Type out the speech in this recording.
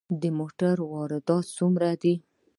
د موټرو واردات څومره دي؟